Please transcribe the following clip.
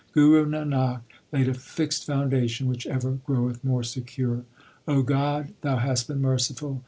Guru Nanak laid a fixed foundation which ever groweth more secure. 1 God, Thou hast been merciful.